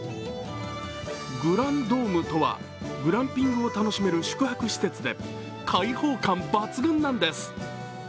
グランドームとはグランピングを楽しめる宿泊施設で、開放感抜群なんです。